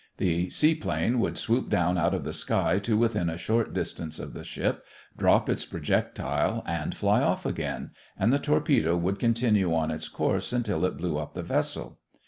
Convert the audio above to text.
The seaplane would swoop down out of the sky to within a short distance of the ship, drop its projectile, and fly off again, and the torpedo would continue on its course until it blew up the vessel.